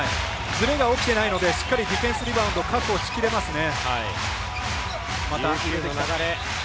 ずれが起きていないのでしっかりディフェンスリバウンド確保しきれますね。